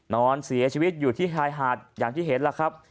นอนเสียชีวิตอยู่ที่ชายหาดอย่างที่เห็นล่ะครับ